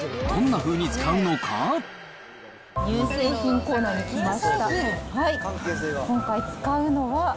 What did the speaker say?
どんなふうに使うのか？